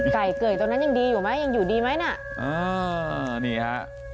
ไก่เกยตรงนั้นยังดีอยู่ไหมยังอยู่ดีไหมน่ะอ่านี่ฮะ